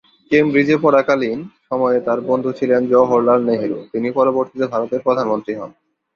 কেমব্রিজে পড়াকালীন সময়ে তার বন্ধু ছিলেন জওহরলাল নেহেরু, যিনি পরবর্তীতে ভারতের প্রধানমন্ত্রী হন।